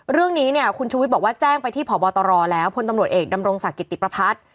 เรื่องนี้เนี่ยคุณชุวิตบอกว่าแจ้งไปที่ผบตรแล้วพตเอกดำรงศกิตติประพัด